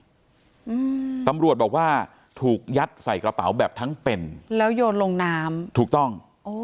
อืมตำรวจบอกว่าถูกยัดใส่กระเป๋าแบบทั้งเป็นแล้วโยนลงน้ำถูกต้องโอ้